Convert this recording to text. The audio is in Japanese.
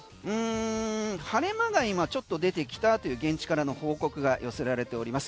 晴れ間が今ちょっと出てきたという現地からの報告が寄せられております。